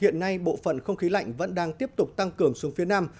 hiện nay bộ phận không khí lạnh vẫn đang tiếp tục tăng cường xuống phía nam